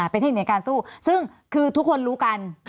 เป็นเทคนิคการสู้ซึ่งคือทุกคนรู้กัน